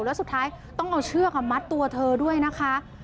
แล้วสุดท้ายต้องเอาเชือกมัดตัวเธอด้วยนะคะ